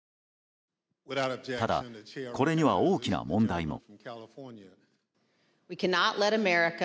ただ、これには大きな問題も。